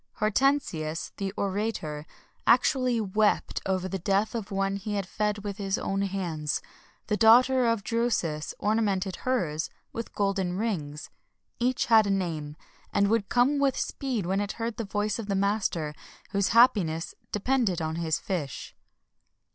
Hortensius, the orator, actually wept over the death of the one he had fed with his own hands; the daughter of Drusus ornamented hers with golden rings; each had a name, and would come with speed when it heard the voice of the master, whose happiness depended on his fish.